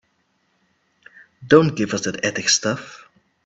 Don't give us that ethics stuff.